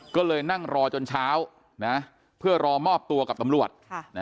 ก็เลยนั่งรอจนเช้าเพื่อรอมอบตัวกับตำรวจ